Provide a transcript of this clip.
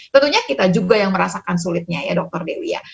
tentunya kita juga yang merasakan sulitnya ya dokter dewi ya